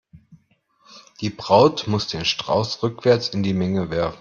Die Braut muss den Strauß rückwärts in die Menge werfen.